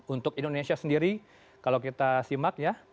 untuk indonesia sendiri kalau kita simak ya